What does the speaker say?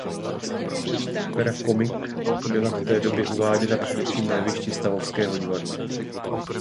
Opéra comique byla v té době uváděna především na jevišti Stavovského divadla.